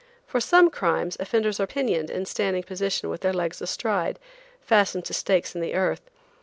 For some crimes offenders are pinioned in standing position with their legs astride, fastened to stakes in the earth.